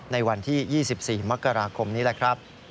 ในวันที่๒๔มกราคมนี้แหละครับ